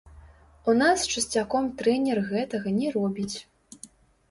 У нас часцяком трэнер гэтага не робіць.